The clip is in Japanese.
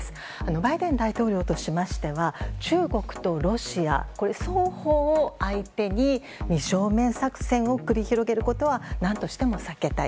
バイデン大統領としましては中国とロシア、双方を相手に二正面作戦を繰り広げることは何としても避けたい。